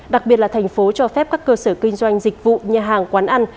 đặc biệt là thành phố cho phép các cơ sở kinh doanh dịch vụ nhà hàng quán ăn